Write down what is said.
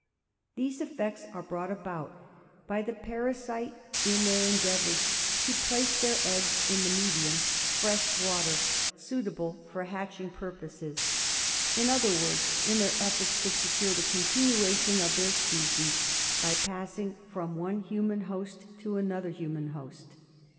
These effects are brought about by the parasites in their endeavours to place their eggs in the medium —fresh water — suitable for hatching purposes ; in other words, in their efforts to secure the continuation of their species by passing from one human host to another human host.